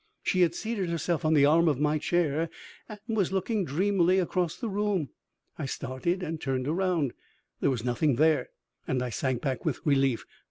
She had seated herself on the arm of my chair and was looking dreamily across the room. I started and turned around. There was nothing there, and I sank back with relief.